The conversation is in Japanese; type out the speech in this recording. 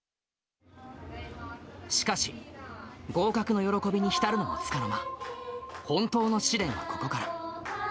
しかし、合格の喜びに浸るのもつかの間、本当の試練はここから。